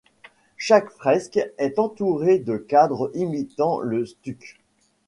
Chaque fresque est entourée de cadres imitant le stuc.